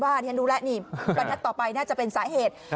ไม่รู้แล้วนี่บัณฑต่อไปน่าจะเป็นสาเหตุ